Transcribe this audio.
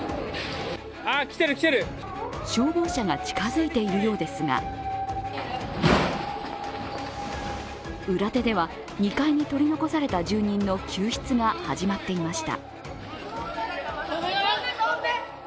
消防車が近づいているようですが、裏手では２階に取り残された住人の救出が始まっていました。